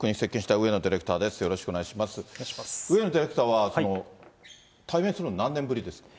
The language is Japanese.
上野ディレクターは、対面するの、何年ぶりです？